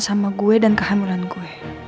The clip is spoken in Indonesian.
sama gue dan kehamulan gue